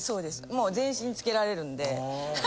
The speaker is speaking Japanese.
もう全身につけられるんで。